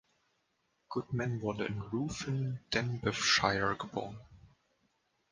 Goodman wurde in Ruthin, Denbighshire, geboren.